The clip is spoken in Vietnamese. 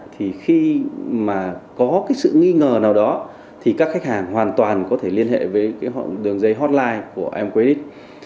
ngoài ra thì khi mà có sự nghi ngờ nào đó thì các khách hàng hoàn toàn có thể liên hệ với đường dây hotline của mqs